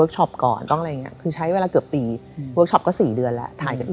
ใส่ก็โอเคถ่ายไป